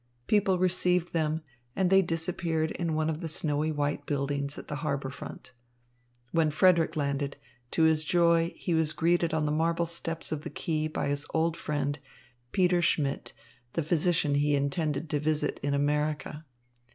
People received them, and they disappeared in one of the snowy white buildings at the harbour front. When Frederick landed, to his joy he was greeted on the marble steps of the quay by his old friend, Peter Schmidt, the physician he intended to visit in America.